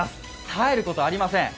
絶えることはありません。